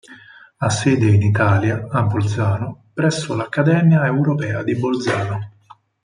Ha sede in Italia, a Bolzano, presso l'Accademia Europea di Bolzano.